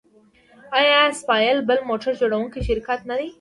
آیا سایپا بل موټر جوړوونکی شرکت نه دی؟